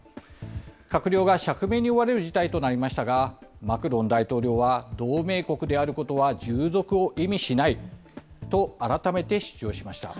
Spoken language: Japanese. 閣僚が釈明に追われる事態となりましたが、マクロン大統領は、同盟国であることは従属を意味しないと改めて主張しました。